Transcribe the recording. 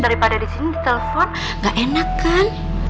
daripada di sini di telepon gak enak kan